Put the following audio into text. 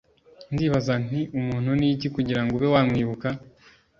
ndibaza nti Umuntu ni iki kugira ngo ube wamwibuka?